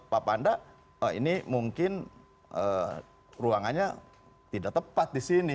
pak panda ini mungkin ruangannya tidak tepat di sini